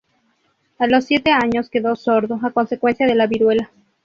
A los siete años quedó sordo, a consecuencia de la viruela.